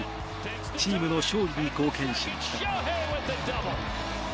チームの勝利に貢献しました。